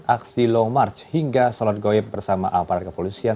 aksi long march hingga salat goyep bersama aparat kepolisian